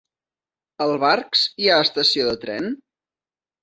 A Barx hi ha estació de tren?